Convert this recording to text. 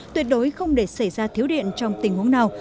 tuyệt đối không để xảy ra thiếu điện trong tình huống nào